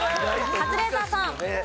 カズレーザーさん。